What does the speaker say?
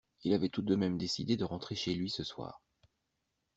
Il avait tout de même décidé de rentrer chez lui ce soir.